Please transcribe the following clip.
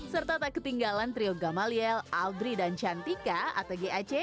serta tak ketinggalan trio gamaliel albri dan cantika atau gac